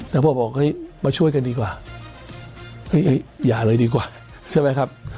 แต่พวกเราบอกมาช่วยกันดีกว่าอย่าเลยดีกว่าใช่ไหมครับ